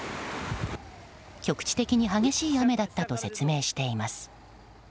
局地的に激しい雨だったと説明しています。